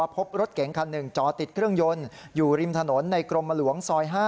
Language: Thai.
พบรถเก๋งคันหนึ่งจอติดเครื่องยนต์อยู่ริมถนนในกรมหลวงซอย๕